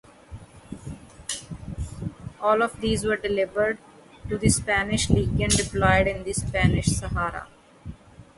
All of these were delivered to the Spanish Legion deployed in the Spanish Sahara.